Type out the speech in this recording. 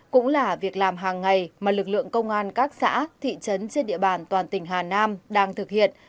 cũng là việc làm hàng ngày mà lực lượng công an các xã thị trấn trên địa bàn toàn tỉnh hà nam đang thực hiện